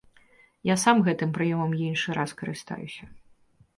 Я сам гэтым прыёмам іншы раз карыстаюся.